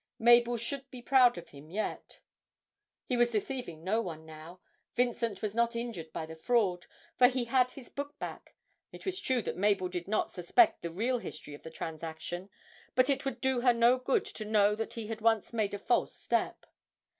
Mabel should be proud of him yet! He was deceiving no one now, Vincent was not injured by the fraud for he had his book back; it was true that Mabel did not suspect the real history of the transaction, but it would do her no good to know that he had once made a false step.